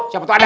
siapa tuh ada